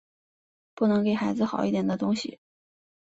不能给孩子好一点的东西